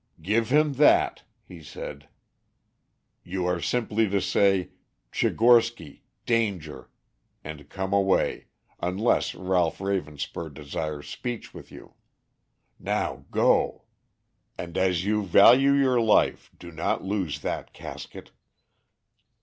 "Give him that," he said. "You are simply to say: 'Tchigorsky Danger,' and come away, unless Ralph Ravenspur desires speech with you. Now, go. And as you value your life, do not lose that casket."